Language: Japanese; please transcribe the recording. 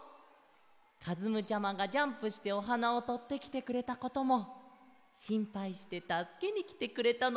かずむちゃまがジャンプしておはなをとってきてくれたこともしんぱいしてたすけにきてくれたのもうれしいケロ。